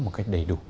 một cách đầy đủ